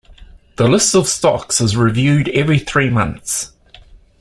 The list of stocks is reviewed every three months.